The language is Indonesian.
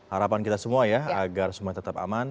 harapan kita semua ya agar semua tetap aman